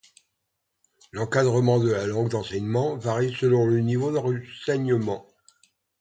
L'encadrement de la langue d'enseignement varie selon le niveau d'enseignement.